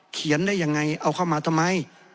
เขียนได้ยังไงเอาเข้ามาทำไม